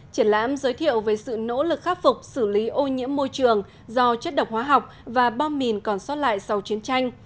triển lãm giới thiệu về sự nỗ lực khắc phục xử lý ô nhiễm môi trường do chất độc hóa học và bom mìn còn sót lại sau chiến tranh